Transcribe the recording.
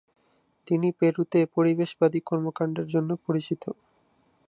তিনি পেরুতে পরিবেশবাদী কর্মকাণ্ডের জন্য পরিচিত।